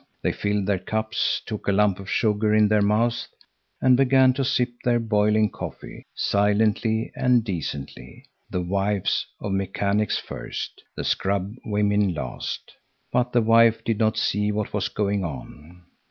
They filled their cups, took a lump of sugar in their mouths and began to sip their boiling coffee, silently and decently, the wives of mechanics first, the scrub women last. But the wife did not see what was going on.